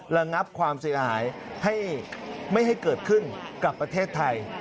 ระงับความเสียหายให้ไม่ให้เกิดขึ้นกับประเทศไทย